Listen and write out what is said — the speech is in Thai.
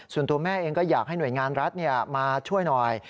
ส่วนตัวแม่เองก็อยากให้หน่วยงานรัฐมาช่วยหน่อย